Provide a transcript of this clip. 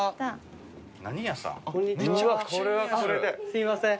すいません